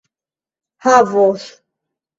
havos